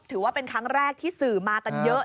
ถือว่าเป็นครั้งแรกที่สื่อมากันเยอะ